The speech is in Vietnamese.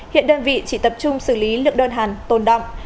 hiện đơn vị chỉ tập trung xử lý lượng đơn hàng tồn động